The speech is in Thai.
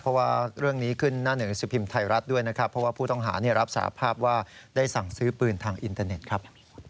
เพราะว่าเรื่องนี้ขึ้นหน้าหนึ่งสิบพิมพ์ไทยรัฐด้วยนะครับเพราะว่าผู้ต้องหารับสาภาพว่าได้สั่งซื้อปืนทางอินเทอร์เน็ตครับ